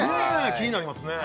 気になりますね